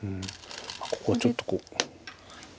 ここはちょっとこう。